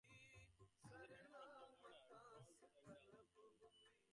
He is a member of the Order of Thrones and an angel of Virtuosity.